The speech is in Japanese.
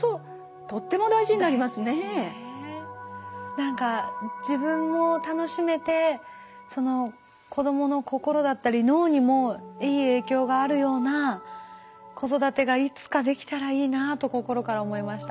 何か自分も楽しめてその子どもの心だったり脳にもいい影響があるような子育てがいつかできたらいいなと心から思いました。